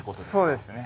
そうですね。